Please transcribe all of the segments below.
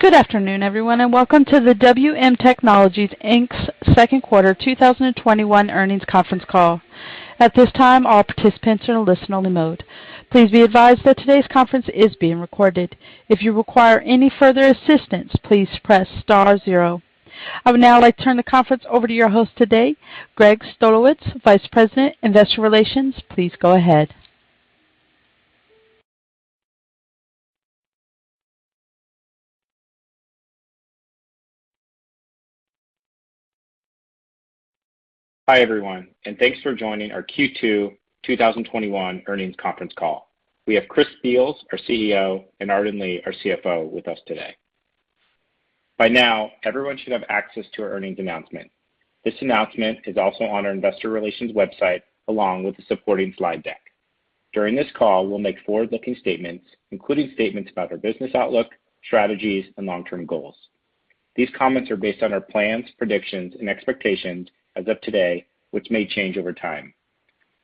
Good afternoon, everyone, and welcome to the WM Technology, Inc. Q2 2021 Earnings Conference Call. At this time, all participants are in listen-only mode. Please be advised that today's conference is being recorded. If you require any further assistance, please press star zero. I would now like to turn the conference over to your host today, Greg Stolowitz, Vice President, Investor Relations. Please go ahead. Hi, everyone. Thanks for joining our Q2 2021 Earnings Conference Call. We have Chris Beals, our CEO, and Arden Lee, our CFO, with us today. By now, everyone should have access to our earnings announcement. This announcement is also on our investor relations website, along with the supporting slide deck. During this call, we'll make forward-looking statements, including statements about our business outlook, strategies, and long-term goals. These comments are based on our plans, predictions, and expectations as of today, which may change over time.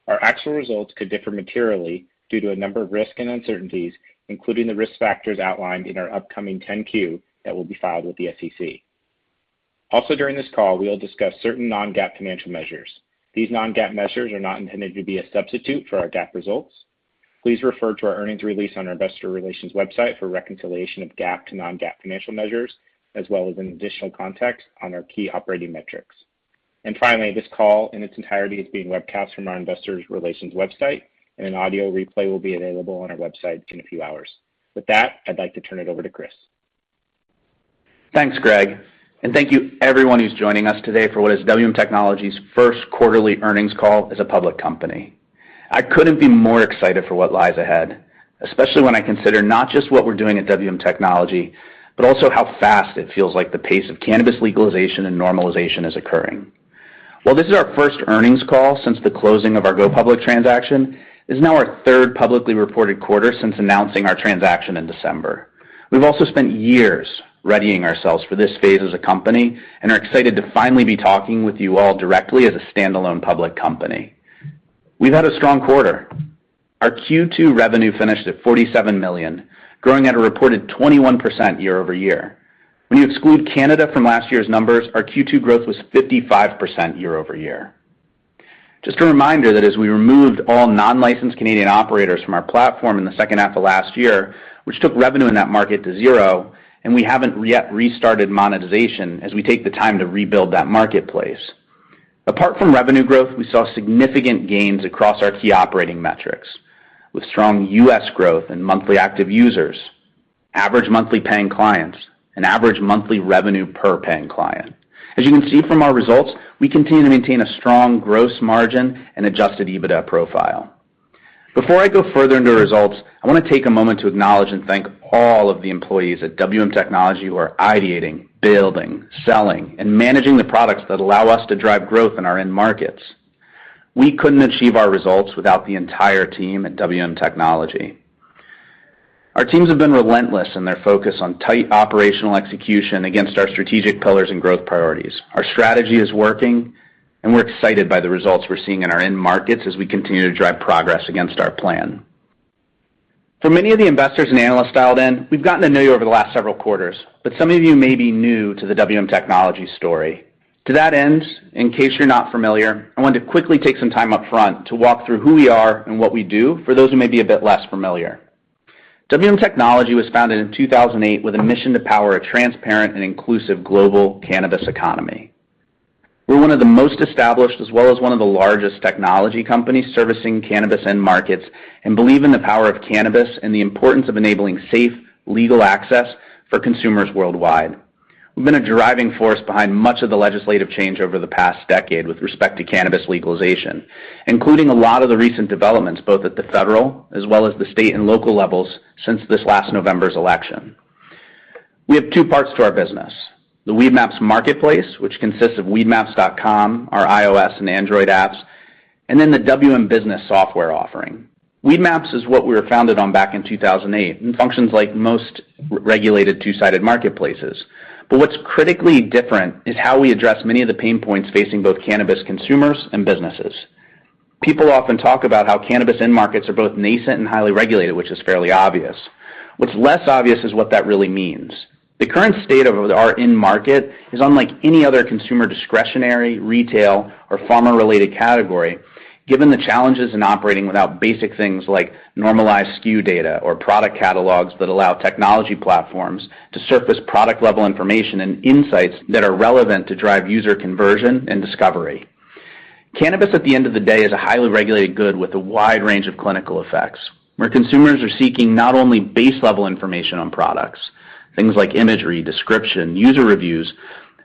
Our actual results could differ materially due to a number of risks and uncertainties, including the risk factors outlined in our upcoming 10-Q that will be filed with the SEC. Also during this call, we will discuss certain non-GAAP financial measures. These non-GAAP measures are not intended to be a substitute for our GAAP results. Please refer to our earnings release on our investor relations website for a reconciliation of GAAP to non-GAAP financial measures, as well as an additional context on our key operating metrics. Finally, this call in its entirety is being webcast from our investor relations website, and an audio replay will be available on our website in a few hours. With that, I'd like to turn it over to Chris. Thanks, Greg. Thank you everyone who's joining us today for what is WM Technology's first quarterly earnings call as a public company. I couldn't be more excited for what lies ahead, especially when I consider not just what we're doing at WM Technology, but also how fast it feels like the pace of cannabis legalization and normalization is occurring. While this is our first earnings call since the closing of our go public transaction, it is now our third publicly reported quarter since announcing our transaction in December. We've also spent years readying ourselves for this phase as a company and are excited to finally be talking with you all directly as a standalone public company. We've had a strong quarter. Our Q2 revenue finished at $47 million, growing at a reported 21% year-over-year. When you exclude Canada from last year's numbers, our Q2 growth was 55% year-over-year. Just a reminder that as we removed all non-licensed Canadian operators from our platform in the second half of last year, which took revenue in that market to zero, and we haven't yet restarted monetization as we take the time to rebuild that marketplace. Apart from revenue growth, we saw significant gains across our key operating metrics, with strong U.S. growth in monthly active users, average monthly paying clients, and average monthly revenue per paying client. As you can see from our results, we continue to maintain a strong gross margin and Adjusted EBITDA profile. Before I go further into results, I want to take a moment to acknowledge and thank all of the employees at WM Technology who are ideating, building, selling, and managing the products that allow us to drive growth in our end markets. We couldn't achieve our results without the entire team at WM Technology. Our teams have been relentless in their focus on tight operational execution against our strategic pillars and growth priorities. Our strategy is working, and we're excited by the results we're seeing in our end markets as we continue to drive progress against our plan. For many of the investors and analysts dialed in, we've gotten to know you over the last several quarters, some of you may be new to the WM Technology story. To that end, in case you're not familiar, I wanted to quickly take some time up front to walk through who we are and what we do for those who may be a bit less familiar. WM Technology was founded in 2008 with a mission to power a transparent and inclusive global cannabis economy. We're one of the most established as well as one of the largest technology companies servicing cannabis end markets and believe in the power of cannabis and the importance of enabling safe, legal access for consumers worldwide. We've been a driving force behind much of the legislative change over the past decade with respect to cannabis legalization, including a lot of the recent developments, both at the federal as well as the state and local levels since this last November's election. We have two parts to our business, the Weedmaps marketplace, which consists of weedmaps.com, our iOS and Android apps, and then the WM Business software offering. Weedmaps is what we were founded on back in 2008 and functions like most regulated two-sided marketplaces. What's critically different is how we address many of the pain points facing both cannabis consumers and businesses. People often talk about how cannabis end markets are both nascent and highly regulated, which is fairly obvious. What's less obvious is what that really means. The current state of our end market is unlike any other consumer discretionary, retail, or pharma-related category, given the challenges in operating without basic things like normalized SKU data or product catalogs that allow technology platforms to surface product-level information and insights that are relevant to drive user conversion and discovery. Cannabis, at the end of the day, is a highly regulated good with a wide range of clinical effects, where consumers are seeking not only base-level information on products, things like imagery, description, user reviews,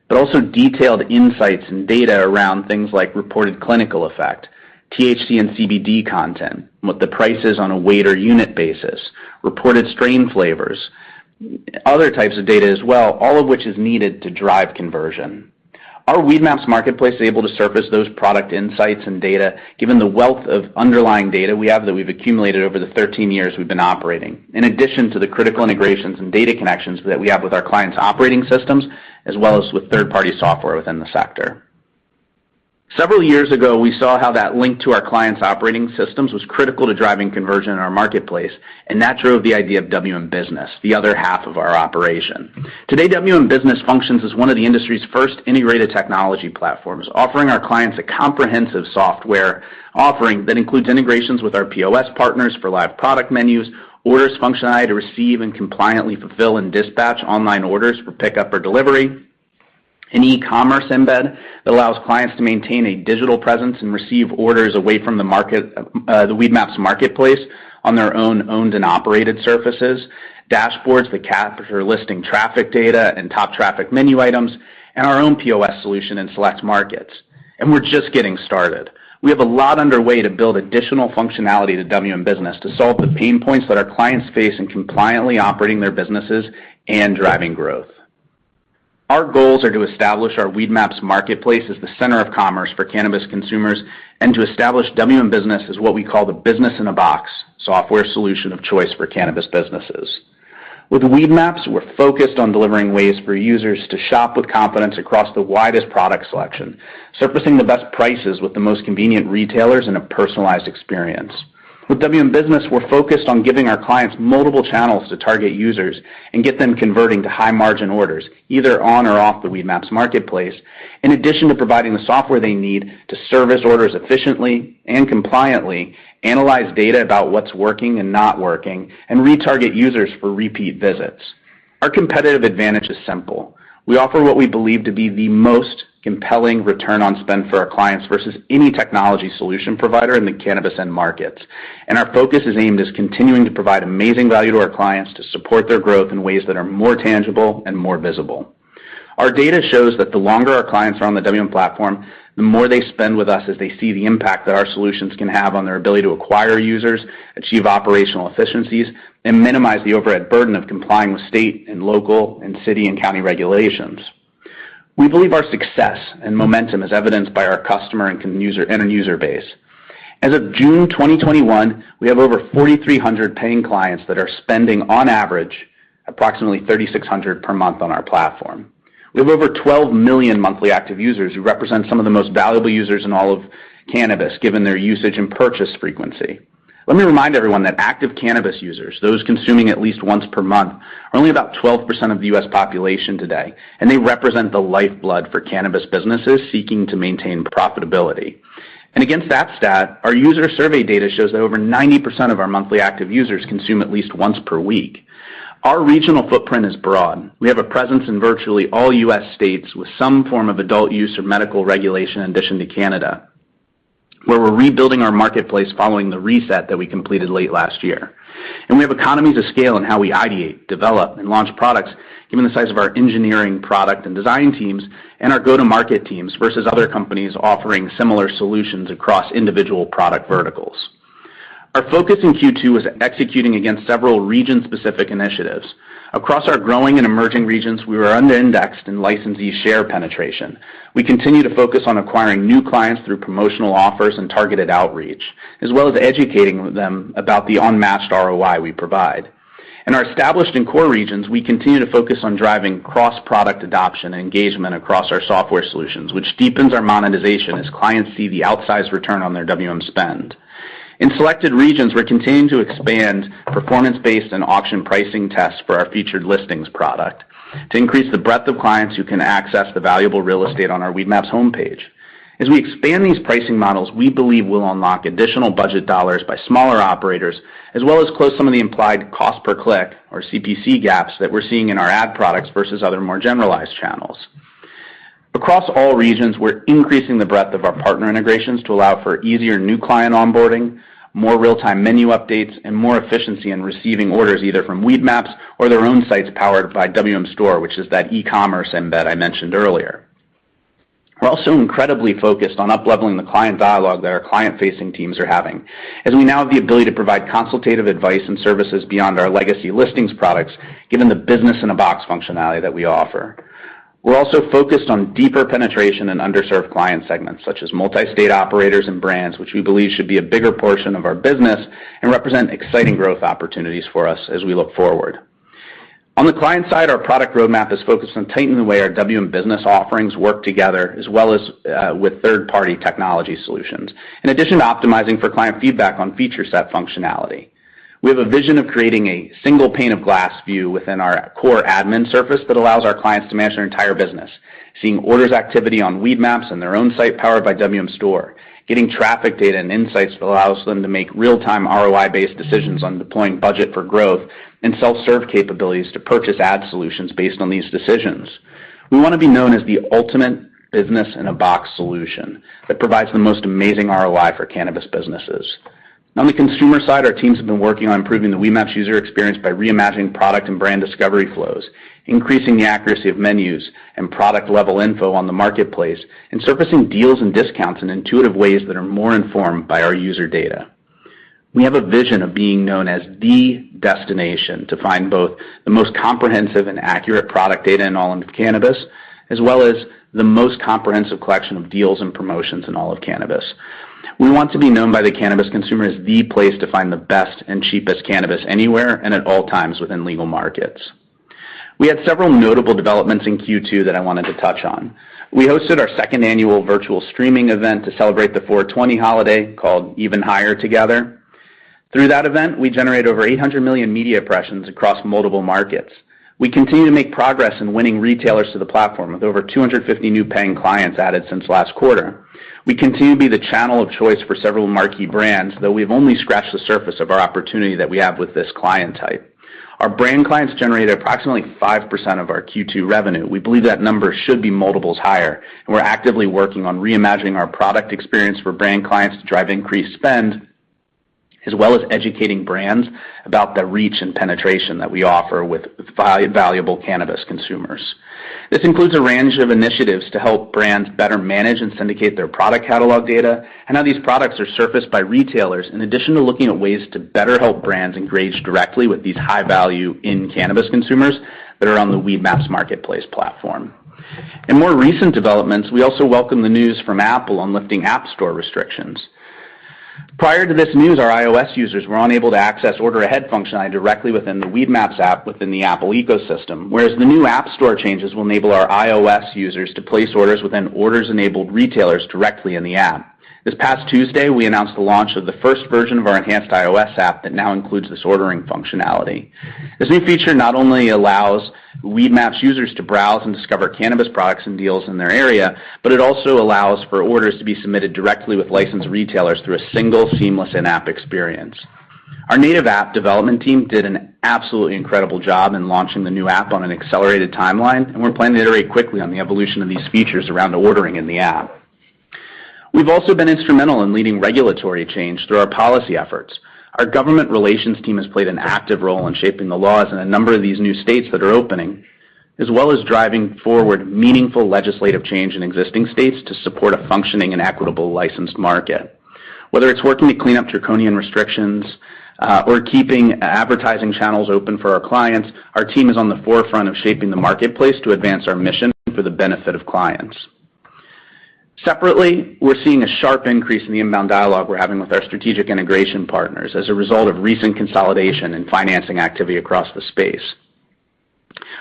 but also detailed insights and data around things like reported clinical effect, THC and CBD content, what the price is on a weight or unit basis, reported strain flavors, other types of data as well, all of which is needed to drive conversion. Our Weedmaps marketplace is able to surface those product insights and data given the wealth of underlying data we have that we've accumulated over the 13 years we've been operating, in addition to the critical integrations and data connections that we have with our clients' operating systems, as well as with third-party software within the sector. Several years ago, we saw how that link to our clients' operating systems was critical to driving conversion in our marketplace. That drove the idea of WM Business, the other half of our operation. Today, WM Business functions as one of the industry's first integrated technology platforms, offering our clients a comprehensive software offering that includes integrations with our POS partners for live product menus, orders functionality to receive and compliantly fulfill and dispatch online orders for pickup or delivery. An e-commerce embed that allows clients to maintain a digital presence and receive orders away from the Weedmaps marketplace on their own owned and operated surfaces. Dashboards that capture listing traffic data and top traffic menu items, and our own POS solution in select markets. We're just getting started. We have a lot underway to build additional functionality to WM Business to solve the pain points that our clients face in compliantly operating their businesses and driving growth. Our goals are to establish our Weedmaps marketplace as the center of commerce for cannabis consumers and to establish WM Business as what we call the business-in-a-box software solution of choice for cannabis businesses. With Weedmaps, we're focused on delivering ways for users to shop with confidence across the widest product selection, surfacing the best prices with the most convenient retailers, and a personalized experience. With WM Business, we're focused on giving our clients multiple channels to target users and get them converting to high-margin orders, either on or off the Weedmaps marketplace. In addition to providing the software they need to service orders efficiently and compliantly, analyze data about what's working and not working, and retarget users for repeat visits. Our competitive advantage is simple. We offer what we believe to be the most compelling return on spend for our clients versus any technology solution provider in the cannabis end markets. Our focus is aimed as continuing to provide amazing value to our clients to support their growth in ways that are more tangible and more visible. Our data shows that the longer our clients are on the WM platform, the more they spend with us as they see the impact that our solutions can have on their ability to acquire users, achieve operational efficiencies, and minimize the overhead burden of complying with state and local and city and county regulations. We believe our success and momentum is evidenced by our customer and end user base. As of June 2021, we have over 4,300 paying clients that are spending, on average, approximately $3,600 per month on our platform. We have over 12 million monthly active users who represent some of the most valuable users in all of cannabis, given their usage and purchase frequency. Let me remind everyone that active cannabis users, those consuming at least once per month, are only about 12% of the U.S. population today, and they represent the lifeblood for cannabis businesses seeking to maintain profitability. Against that stat, our user survey data shows that over 90% of our monthly active users consume at least once per week. Our regional footprint is broad. We have a presence in virtually all U.S. states with some form of adult-use or medical regulation, in addition to Canada, where we're rebuilding our marketplace following the reset that we completed late last year. We have economies of scale in how we ideate, develop, and launch products, given the size of our engineering, product, and design teams and our go-to-market teams versus other companies offering similar solutions across individual product verticals. Our focus in Q2 is executing against several region-specific initiatives. Across our growing and emerging regions, we were under-indexed in licensee share penetration. We continue to focus on acquiring new clients through promotional offers and targeted outreach, as well as educating them about the unmatched ROI we provide. In our established and core regions, we continue to focus on driving cross-product adoption and engagement across our software solutions, which deepens our monetization as clients see the outsized return on their WM spend. In selected regions, we're continuing to expand performance-based and auction pricing tests for our featured listings product to increase the breadth of clients who can access the valuable real estate on our Weedmaps homepage. As we expand these pricing models, we believe we'll unlock additional budget dollars by smaller operators, as well as close some of the implied cost per click, or CPC, gaps that we're seeing in our ad products versus other more generalized channels. Across all regions, we're increasing the breadth of our partner integrations to allow for easier new client onboarding, more real-time menu updates, and more efficiency in receiving orders, either from Weedmaps or their own sites powered by WM Store, which is that e-commerce embed I mentioned earlier. We're also incredibly focused on up-leveling the client dialogue that our client-facing teams are having, as we now have the ability to provide consultative advice and services beyond our legacy listings products, given the business-in-a-box functionality that we offer. We're also focused on deeper penetration in underserved client segments, such as multi-state operators and brands, which we believe should be a bigger portion of our business and represent exciting growth opportunities for us as we look forward. On the client side, our product roadmap is focused on tightening the way our WM Business offerings work together, as well as with third-party technology solutions. In addition to optimizing for client feedback on feature set functionality, we have a vision of creating a single pane of glass view within our core admin surface that allows our clients to manage their entire business. Seeing orders activity on Weedmaps and their own site powered by WM Store, getting traffic data and insights that allows them to make real-time ROI-based decisions on deploying budget for growth, and self-serve capabilities to purchase ad solutions based on these decisions. We want to be known as the ultimate business-in-a-box solution that provides the most amazing ROI for cannabis businesses. On the consumer side, our teams have been working on improving the Weedmaps user experience by reimagining product and brand discovery flows, increasing the accuracy of menus and product-level info on the marketplace, and surfacing deals and discounts in intuitive ways that are more informed by our user data. We have a vision of being known as the destination to find both the most comprehensive and accurate product data in all of cannabis, as well as the most comprehensive collection of deals and promotions in all of cannabis. We want to be known by the cannabis consumer as the place to find the best and cheapest cannabis anywhere and at all times within legal markets. We had several notable developments in Q2 that I wanted to touch on. We hosted our second annual virtual streaming event to celebrate the 4/20 holiday, called Even Higher Together. Through that event, we generated over 800 million media impressions across multiple markets. We continue to make progress in winning retailers to the platform, with over 250 new paying clients added since last quarter. We continue to be the channel of choice for several marquee brands, though we've only scratched the surface of our opportunity that we have with this client type. Our brand clients generated approximately 5% of our Q2 revenue. We believe that number should be multiples higher, and we're actively working on reimagining our product experience for brand clients to drive increased spend, as well as educating brands about the reach and penetration that we offer with valuable cannabis consumers. This includes a range of initiatives to help brands better manage and syndicate their product catalog data, and how these products are surfaced by retailers, in addition to looking at ways to better help brands engage directly with these high-value cannabis consumers that are on the Weedmaps marketplace platform. In more recent developments, we also welcome the news from Apple on lifting App Store restrictions. Prior to this news, our iOS users were unable to access order ahead functionality directly within the Weedmaps app within the Apple ecosystem, whereas the new App Store changes will enable our iOS users to place orders within orders-enabled retailers directly in the app. This past Tuesday, we announced the launch of the first version of our enhanced iOS app that now includes this ordering functionality. This new feature not only allows Weedmaps users to browse and discover cannabis products and deals in their area, but it also allows for orders to be submitted directly with licensed retailers through a single seamless in-app experience. Our native app development team did an absolutely incredible job in launching the new app on an accelerated timeline, and we're planning to iterate quickly on the evolution of these features around ordering in the app. We've also been instrumental in leading regulatory change through our policy efforts. Our government relations team has played an active role in shaping the laws in a number of these new states that are opening, as well as driving forward meaningful legislative change in existing states to support a functioning and equitable licensed market. Whether it's working to clean up draconian restrictions, or keeping advertising channels open for our clients, our team is on the forefront of shaping the marketplace to advance our mission for the benefit of clients. Separately, we're seeing a sharp increase in the inbound dialogue we're having with our strategic integration partners as a result of recent consolidation and financing activity across the space.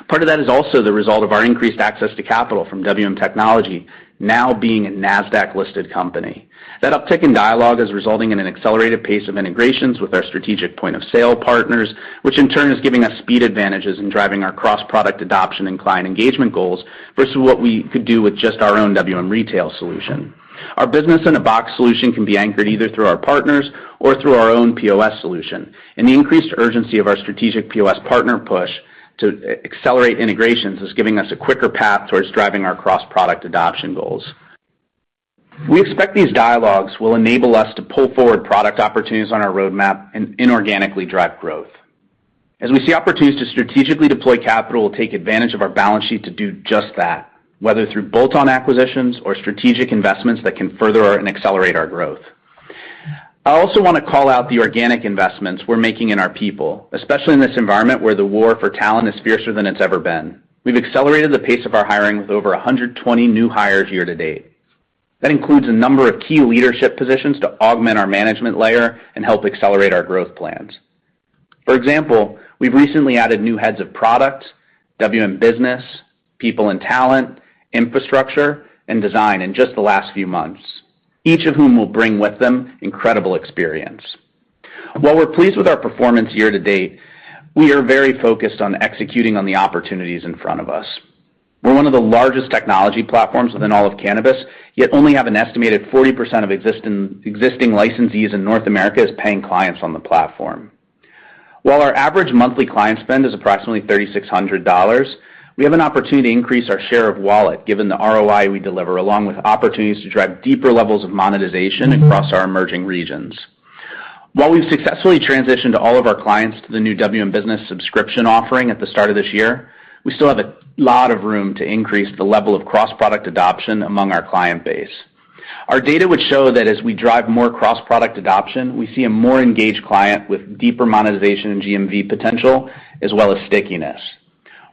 Part of that is also the result of our increased access to capital from WM Technology now being a Nasdaq-listed company. That uptick in dialogue is resulting in an accelerated pace of integrations with our strategic point-of-sale partners, which in turn is giving us speed advantages in driving our cross-product adoption and client engagement goals versus what we could do with just our own WM Retail solution. Our business-in-a-box solution can be anchored either through our partners or through our own POS solution. The increased urgency of our strategic POS partner push to accelerate integrations is giving us a quicker path towards driving our cross-product adoption goals. We expect these dialogues will enable us to pull forward product opportunities on our roadmap and inorganically drive growth. We see opportunities to strategically deploy capital, we'll take advantage of our balance sheet to do just that, whether through bolt-on acquisitions or strategic investments that can further and accelerate our growth. I also want to call out the organic investments we're making in our people, especially in this environment where the war for talent is fiercer than it's ever been. We've accelerated the pace of our hiring with over 120 new hires year to date. That includes a number of key leadership positions to augment our management layer and help accelerate our growth plans. For example, we've recently added new heads of product, WM Business, people and talent, infrastructure, and design in just the last few months, each of whom will bring with them incredible experience. While we're pleased with our performance year to date, we are very focused on executing on the opportunities in front of us. We're one of the largest technology platforms within all of cannabis, yet only have an estimated 40% of existing licensees in North America as paying clients on the platform. While our average monthly client spend is approximately $3,600, we have an opportunity to increase our share of wallet given the ROI we deliver, along with opportunities to drive deeper levels of monetization across our emerging regions. While we've successfully transitioned all of our clients to the new WM Business subscription offering at the start of this year, we still have a lot of room to increase the level of cross-product adoption among our client base. Our data would show that as we drive more cross-product adoption, we see a more engaged client with deeper monetization and GMV potential, as well as stickiness.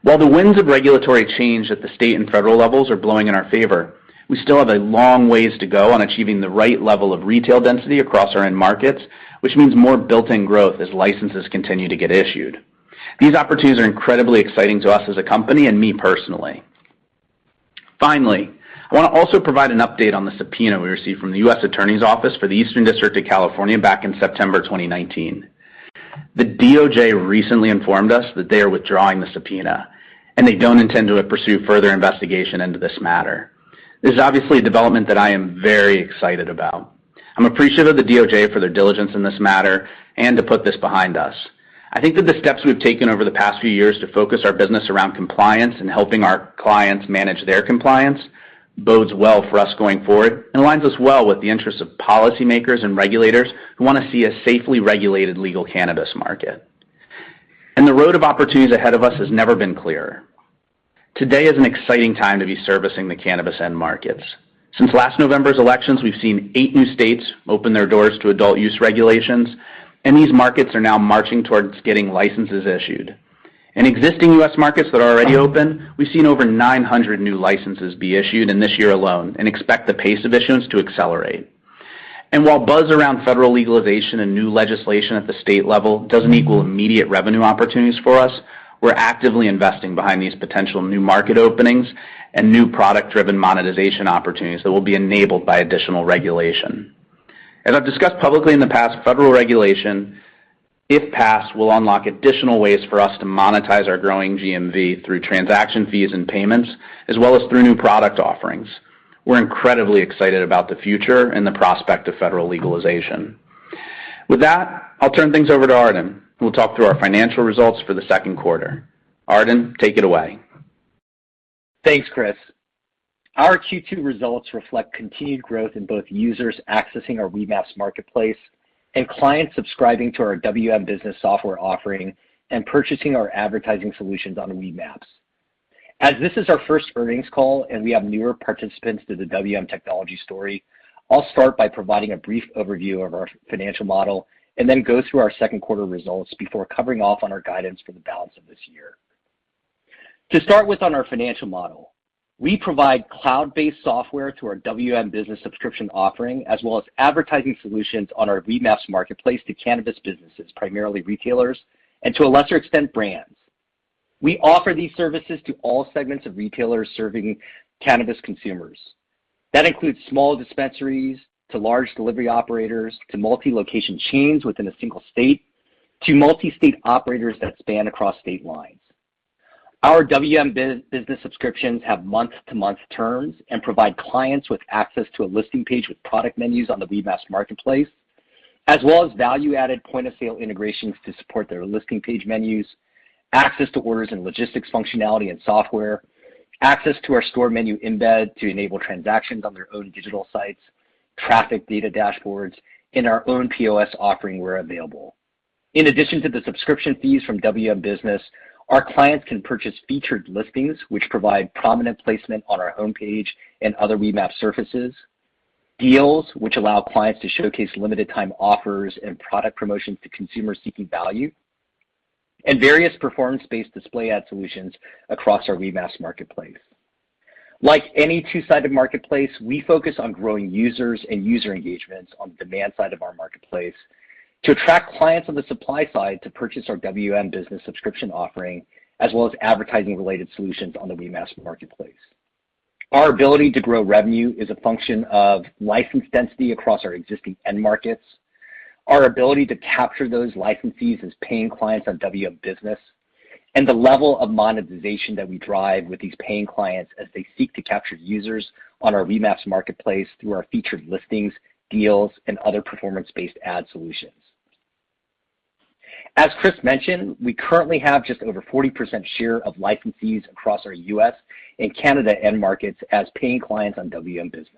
While the winds of regulatory change at the state and federal levels are blowing in our favor, we still have a long ways to go on achieving the right level of retail density across our end markets, which means more built-in growth as licenses continue to get issued. These opportunities are incredibly exciting to us as a company and me personally. Finally, I want to also provide an update on the subpoena we received from the U.S. Attorney's Office for the Eastern District of California back in September 2019. The DOJ recently informed us that they are withdrawing the subpoena, and they don't intend to pursue further investigation into this matter. This is obviously a development that I am very excited about. I'm appreciative of the DOJ for their diligence in this matter and to put this behind us. I think that the steps we've taken over the past few years to focus our business around compliance and helping our clients manage their compliance bodes well for us going forward and aligns us well with the interests of policymakers and regulators who want to see a safely regulated legal cannabis market. The road of opportunities ahead of us has never been clearer. Today is an exciting time to be servicing the cannabis end markets. Since last November's elections, we've seen eight new states open their doors to adult use regulations. These markets are now marching towards getting licenses issued. In existing US markets that are already open, we've seen over 900 new licenses be issued in this year alone. We expect the pace of issuance to accelerate. While buzz around federal legalization and new legislation at the state level doesn't equal immediate revenue opportunities for us, we're actively investing behind these potential new market openings and new product-driven monetization opportunities that will be enabled by additional regulation. As I've discussed publicly in the past, federal regulation, if passed, will unlock additional ways for us to monetize our growing GMV through transaction fees and payments, as well as through new product offerings. We're incredibly excited about the future and the prospect of federal legalization. With that, I'll turn things over to Arden, who will talk through our financial results for the Q2. Arden, take it away. Thanks, Chris. Our Q2 results reflect continued growth in both users accessing our Weedmaps marketplace and clients subscribing to our WM Business software offering and purchasing our advertising solutions on Weedmaps. As this is our first earnings call, and we have newer participants to the WM Technology story, I'll start by providing a brief overview of our financial model and then go through our Q2 results before covering off on our guidance for the balance of this year. To start with on our financial model, we provide cloud-based software to our WM Business subscription offering, as well as advertising solutions on our Weedmaps marketplace to cannabis businesses, primarily retailers, and to a lesser extent, brands. We offer these services to all segments of retailers serving cannabis consumers. That includes small dispensaries, to large delivery operators, to multi-location chains within a single state, to multi-state operators that span across state lines. Our WM Business subscriptions have month-to-month terms and provide clients with access to a listing page with product menus on the Weedmaps marketplace, as well as value-added point-of-sale integrations to support their listing page menus, access to orders and logistics functionality and software, access to our store menu embed to enable transactions on their own digital sites, traffic data dashboards in our own POS offering where available. In addition to the subscription fees from WM Business, our clients can purchase featured listings, which provide prominent placement on our homepage and other Weedmaps surfaces, deals, which allow clients to showcase limited time offers and product promotions to consumers seeking value, and various performance-based display ad solutions across our Weedmaps marketplace. Like any two-sided marketplace, we focus on growing users and user engagements on the demand side of our marketplace to attract clients on the supply side to purchase our WM Business subscription offering, as well as advertising-related solutions on the Weedmaps marketplace. Our ability to grow revenue is a function of license density across our existing end markets, our ability to capture those licensees as paying clients on WM Business, and the level of monetization that we drive with these paying clients as they seek to capture users on our Weedmaps marketplace through our featured listings, deals, and other performance-based ad solutions. As Chris mentioned, we currently have just over 40% share of licensees across our U.S. and Canada end markets as paying clients on WM Business.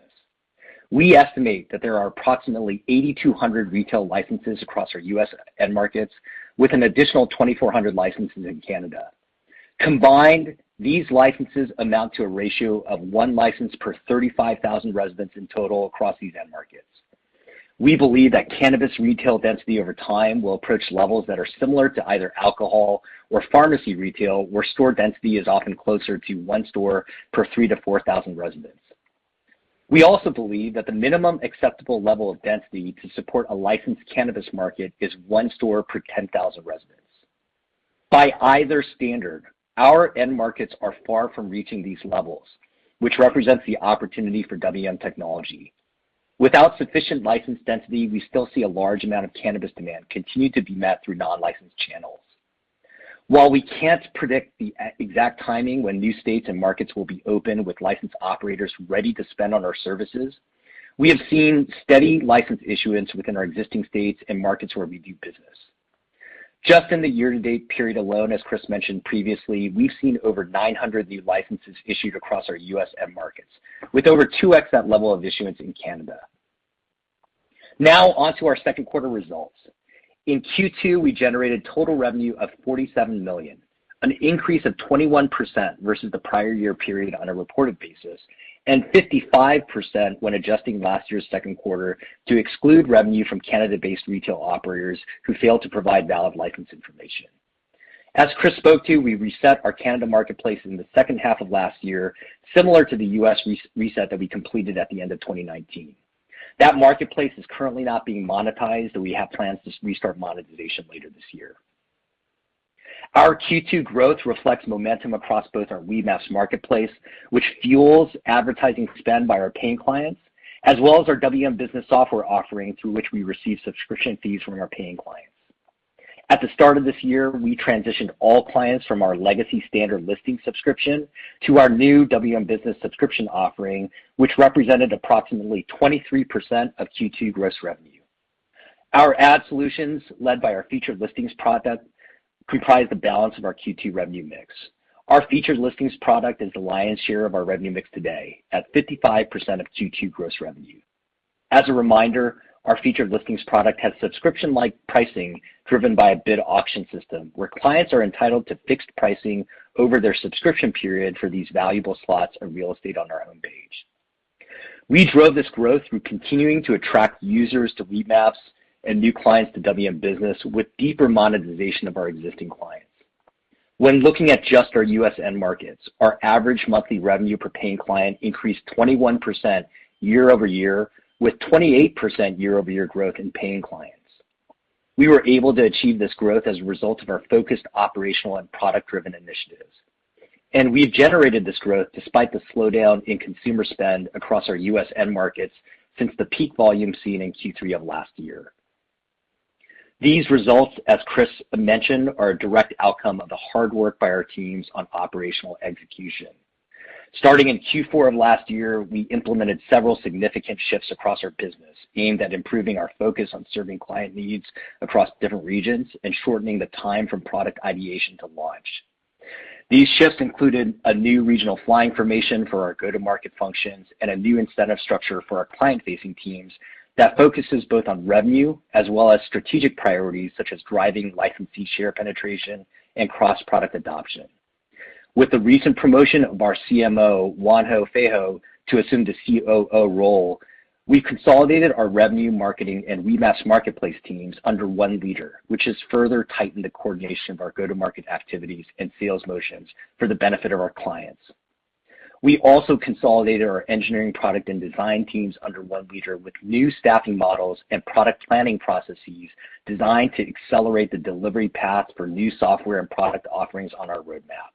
We estimate that there are approximately 8,200 retail licenses across our U.S. end markets, with an additional 2,400 licenses in Canada. Combined, these licenses amount to a ratio of one license per 35,000 residents in total across these end markets. We believe that cannabis retail density over time will approach levels that are similar to either alcohol or pharmacy retail, where store density is often closer to one store per 3,000-4,000 residents. We also believe that the minimum acceptable level of density to support a licensed cannabis market is one store per 10,000 residents. By either standard, our end markets are far from reaching these levels, which represents the opportunity for WM Technology. Without sufficient license density, we still see a large amount of cannabis demand continue to be met through non-licensed channels. While we can't predict the exact timing when new states and markets will be open with licensed operators ready to spend on our services, we have seen steady license issuance within our existing states and markets where we do business. Just in the year-to-date period alone, as Chris mentioned previously, we've seen over 900 new licenses issued across our U.S. end markets, with over 2x that level of issuance in Canada. Onto our Q2 results. In Q2, we generated total revenue of $47 million, an increase of 21% versus the prior year period on a reported basis, and 55% when adjusting last year's Q2 to exclude revenue from Canada-based retail operators who failed to provide valid license information. As Chris spoke to, we reset our Canada marketplace in the second half of last year, similar to the U.S. reset that we completed at the end of 2019. That marketplace is currently not being monetized. We have plans to restart monetization later this year. Our Q2 growth reflects momentum across both our Weedmaps marketplace, which fuels advertising spend by our paying clients, as well as our WM Business software offering, through which we receive subscription fees from our paying clients. At the start of this year, we transitioned all clients from our legacy standard listing subscription to our new WM Business subscription offering, which represented approximately 23% of Q2 gross revenue. Our ad solutions, led by our featured listings product, comprise the balance of our Q2 revenue mix. Our featured listings product is the lion's share of our revenue mix today, at 55% of Q2 gross revenue. As a reminder, our featured listings product has subscription-like pricing driven by a bid auction system, where clients are entitled to fixed pricing over their subscription period for these valuable slots of real estate on our homepage. We drove this growth through continuing to attract users to Weedmaps and new clients to WM Business with deeper monetization of our existing clients. When looking at just our U.S. end markets, our average monthly revenue per paying client increased 21% year-over-year, with 28% year-over-year growth in paying clients. We were able to achieve this growth as a result of our focused operational and product-driven initiatives. We've generated this growth despite the slowdown in consumer spend across our U.S. end markets since the peak volume seen in Q3 of last year. These results, as Chris mentioned, are a direct outcome of the hard work by our teams on operational execution. Starting in Q4 of last year, we implemented several significant shifts across our business aimed at improving our focus on serving client needs across different regions and shortening the time from product ideation to launch. These shifts included a new regional flying formation for our go-to-market functions and a new incentive structure for our client-facing teams that focuses both on revenue as well as strategic priorities, such as driving licensee share penetration and cross-product adoption. With the recent promotion of our CMO, Juanjo Feijoo, to assume the COO role, we consolidated our revenue, marketing, and Weedmaps marketplace teams under one leader, which has further tightened the coordination of our go-to-market activities and sales motions for the benefit of our clients. We also consolidated our engineering, product, and design teams under one leader with new staffing models and product planning processes designed to accelerate the delivery path for new software and product offerings on our roadmap.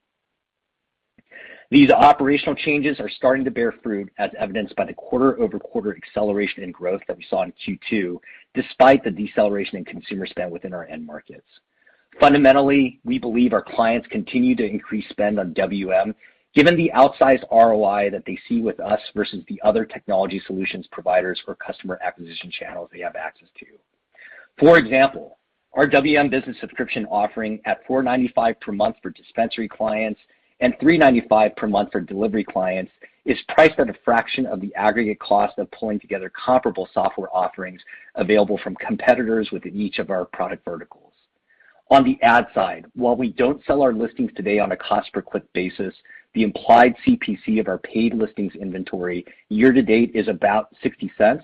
These operational changes are starting to bear fruit, as evidenced by the quarter-over-quarter acceleration in growth that we saw in Q2, despite the deceleration in consumer spend within our end markets. Fundamentally, we believe our clients continue to increase spend on WM given the outsized ROI that they see with us versus the other technology solutions providers for customer acquisition channels they have access to. For example, our WM Business subscription offering at $495 per month for dispensary clients and $395 per month for delivery clients is priced at a fraction of the aggregate cost of pulling together comparable software offerings available from competitors within each of our product verticals. On the ad side, while we don't sell our listings today on a cost-per-click basis, the implied CPC of our paid listings inventory year-to-date is about $0.60,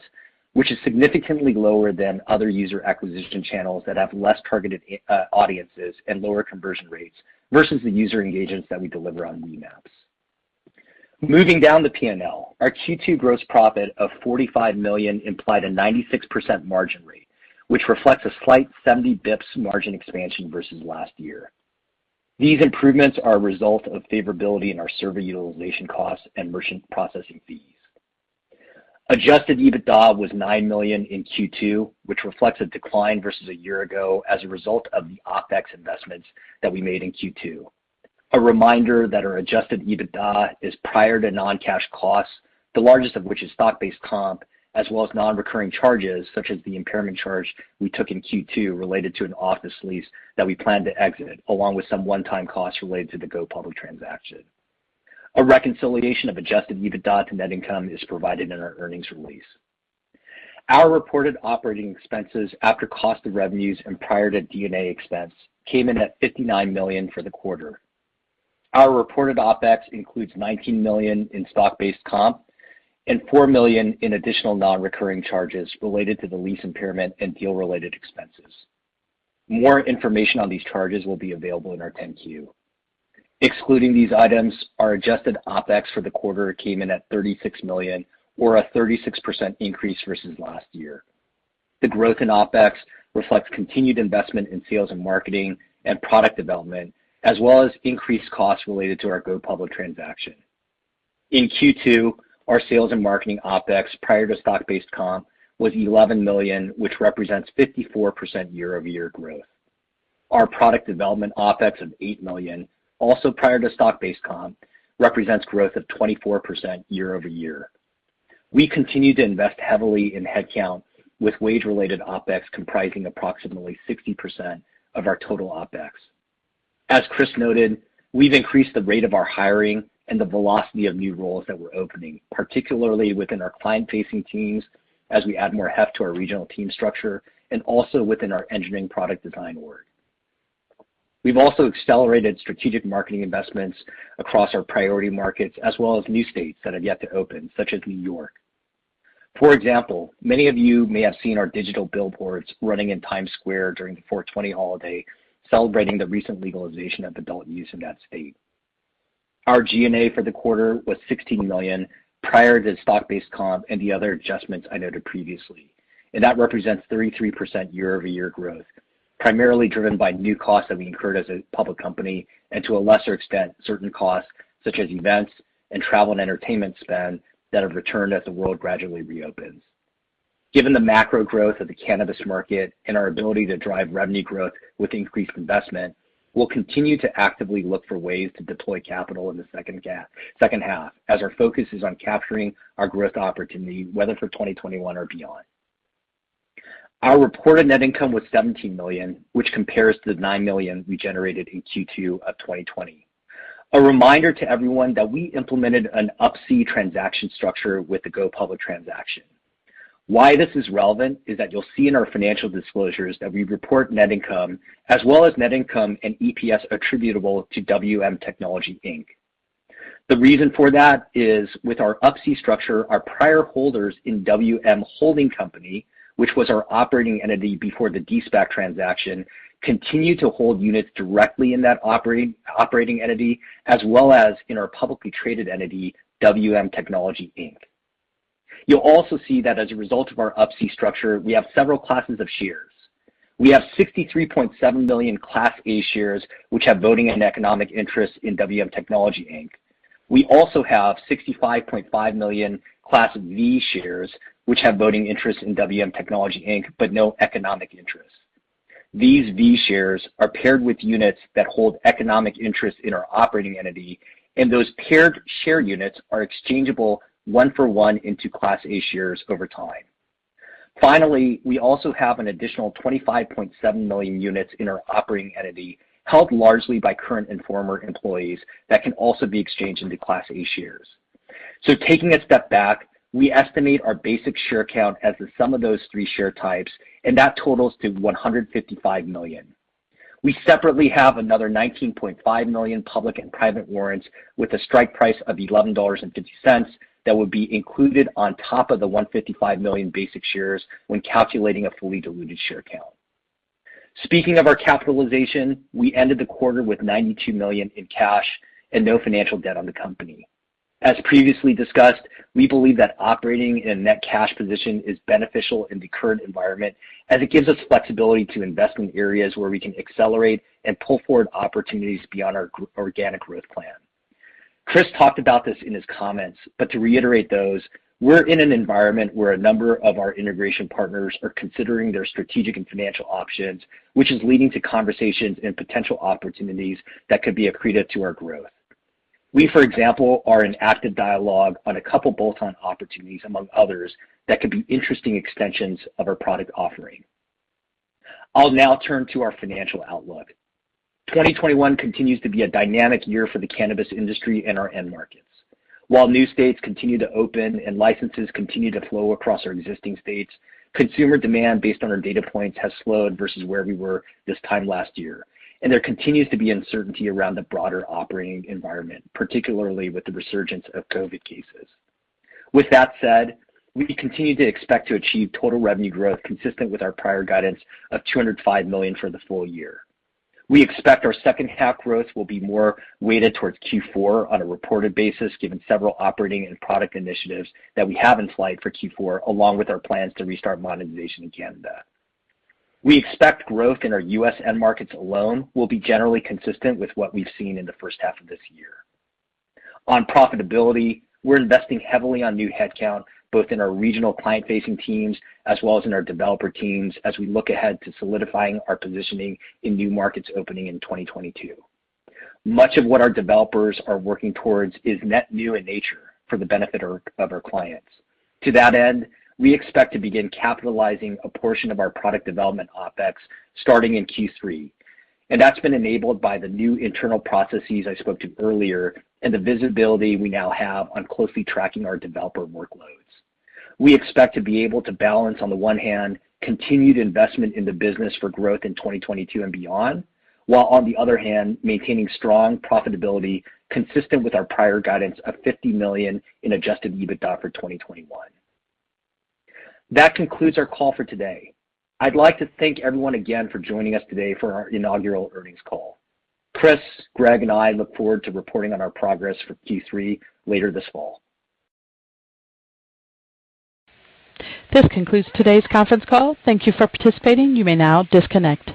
which is significantly lower than other user acquisition channels that have less targeted audiences and lower conversion rates versus the user engagements that we deliver on Weedmaps. Moving down the P&L, our Q2 gross profit of $45 million implied a 96% margin rate, which reflects a slight 70 basis points margin expansion versus last year. These improvements are a result of favorability in our server utilization costs and merchant processing fees. Adjusted EBITDA was $9 million in Q2, which reflects a decline versus a year ago as a result of the OpEx investments that we made in Q2. A reminder that our Adjusted EBITDA is prior to non-cash costs, the largest of which is stock-based comp, as well as non-recurring charges such as the impairment charge we took in Q2 related to an office lease that we plan to exit, along with some one-time costs related to the go-public transaction. A reconciliation of Adjusted EBITDA to net income is provided in our earnings release. Our reported operating expenses after cost of revenues and prior to G&A expense came in at $59 million for the quarter. Our reported OpEx includes $19 million in stock-based comp and $4 million in additional non-recurring charges related to the lease impairment and deal-related expenses. More information on these charges will be available in our 10-Q. Excluding these items, our adjusted OpEx for the quarter came in at $36 million, or a 36% increase versus last year. The growth in OpEx reflects continued investment in sales and marketing and product development, as well as increased costs related to our go-public transaction. In Q2, our sales and marketing OpEx prior to stock-based comp was $11 million, which represents 54% year-over-year growth. Our product development OpEx of $8 million, also prior to stock-based comp, represents growth of 24% year-over-year. We continue to invest heavily in headcount, with wage-related OpEx comprising approximately 60% of our total OpEx. As Chris noted, we've increased the rate of our hiring and the velocity of new roles that we're opening, particularly within our client-facing teams as we add more heft to our regional team structure and also within our engineering product design org. We've also accelerated strategic marketing investments across our priority markets as well as new states that have yet to open, such as New York. For example, many of you may have seen our digital billboards running in Times Square during the 4/20 holiday celebrating the recent legalization of adult use in that state. Our G&A for the quarter was $16 million prior to stock-based comp and the other adjustments I noted previously, and that represents 33% year-over-year growth, primarily driven by new costs that we incurred as a public company and to a lesser extent, certain costs such as events and travel and entertainment spend that have returned as the world gradually reopens. Given the macro growth of the cannabis market and our ability to drive revenue growth with increased investment, we'll continue to actively look for ways to deploy capital in the second half as our focus is on capturing our growth opportunity, whether for 2021 or beyond. Our reported net income was $17 million, which compares to the $9 million we generated in Q2 of 2020. A reminder to everyone that we implemented an Up-C transaction structure with the go-public transaction. Why this is relevant is that you'll see in our financial disclosures that we report net income as well as net income and EPS attributable to WM Technology, Inc. The reason for that is with our Up-C structure, our prior holders in WM Holding Company, which was our operating entity before the de-SPAC transaction, continue to hold units directly in that operating entity, as well as in our publicly traded entity, WM Technology, Inc. You'll also see that as a result of our up-C structure, we have several classes of shares. We have 63.7 million Class A shares, which have voting and economic interest in WM Technology, Inc. We also have 65.5 million Class V shares, which have voting interest in WM Technology, Inc., but no economic interest. These V shares are paired with units that hold economic interest in our operating entity, and those paired share units are exchangeable one for one into Class A shares over time. Finally, we also have an additional 25.7 million units in our operating entity, held largely by current and former employees, that can also be exchanged into Class A shares. Taking a step back, we estimate our basic share count as the sum of those three share types, and that totals to 155 million. We separately have another 19.5 million public and private warrants with a strike price of $11.50 that would be included on top of the 155 million basic shares when calculating a fully diluted share count. Speaking of our capitalization, we ended the quarter with $92 million in cash and no financial debt on the company. As previously discussed, we believe that operating in a net cash position is beneficial in the current environment, as it gives us flexibility to invest in areas where we can accelerate and pull forward opportunities beyond our organic growth plan. Chris talked about this in his comments, but to reiterate those, we're in an environment where a number of our integration partners are considering their strategic and financial options, which is leading to conversations and potential opportunities that could be accretive to our growth. We, for example, are in active dialogue on a couple bolt-on opportunities among others that could be interesting extensions of our product offering. I'll now turn to our financial outlook. 2021 continues to be a dynamic year for the cannabis industry and our end markets. While new states continue to open and licenses continue to flow across our existing states, consumer demand based on our data points has slowed versus where we were this time last year, and there continues to be uncertainty around the broader operating environment, particularly with the resurgence of COVID cases. With that said, we continue to expect to achieve total revenue growth consistent with our prior guidance of $205 million for the full year. We expect our second half growth will be more weighted towards Q4 on a reported basis, given several operating and product initiatives that we have in flight for Q4, along with our plans to restart monetization in Canada. We expect growth in our U.S. end markets alone will be generally consistent with what we've seen in the first half of this year. On profitability, we're investing heavily on new headcount, both in our regional client-facing teams, as well as in our developer teams, as we look ahead to solidifying our positioning in new markets opening in 2022. Much of what our developers are working towards is net new in nature for the benefit of our clients. To that end, we expect to begin capitalizing a portion of our product development OpEx starting in Q3, and that's been enabled by the new internal processes I spoke to earlier and the visibility we now have on closely tracking our developer workloads. We expect to be able to balance, on the one hand, continued investment in the business for growth in 2022 and beyond, while on the other hand, maintaining strong profitability consistent with our prior guidance of $50 million in Adjusted EBITDA for 2021. That concludes our call for today. I'd like to thank everyone again for joining us today for our inaugural earnings call. Chris, Greg, and I look forward to reporting on our progress for Q3 later this fall. This concludes today's conference call. Thank you for participating. You may now disconnect.